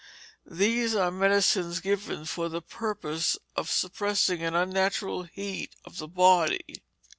These are medicines given for the purpose of suppressing an unnatural heat of the body.